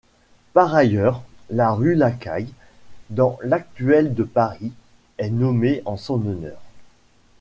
Par ailleurs, la rue Lacaille, dans l'actuelle de Paris, est nommée en son honneur.